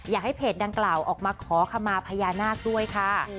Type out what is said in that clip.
อยากให้เพจดังกล่าวออกมาขอคำมาพญานาคด้วยค่ะ